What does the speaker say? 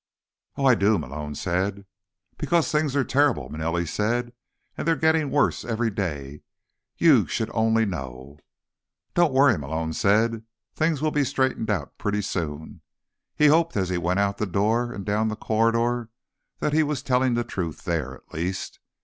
"Oh, I do," Malone said. "Because things are terrible," Manelli said. "And they're getting worse every day. You should only know." "Don't worry," Malone said. "Things will be straightened out pretty soon." He hoped, as he went out the door and down the corridor, that he was telling the truth there, at least.